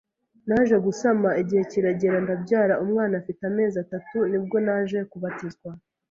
Naje gusama, igihe kiragera ndabyara, umwana afite amezi atatu nibwo naje kubatizwa